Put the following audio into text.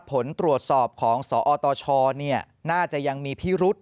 ผลตรวจสอบของสอตชน่าจะยังมีพิรุษ